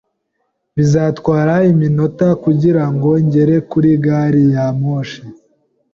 Bizantwara iminota kugirango ngere kuri gari ya moshi.